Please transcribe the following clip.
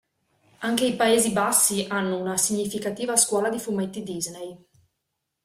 Anche i Paesi Bassi hanno una significativa scuola di fumetti Disney.